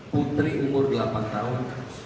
putri umur delapan tahun